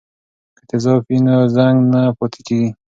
که تیزاب وي نو زنګ نه پاتې کیږي.